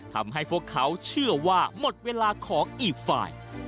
ทำให้พวกเขาเชื่อว่าหมดเวลาของอีกฝ่าย